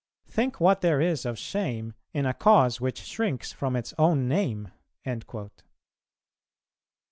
Think what there is of shame in a cause which shrinks from its own name."